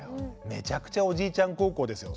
めちゃくちゃおじいちゃん孝行ですよ。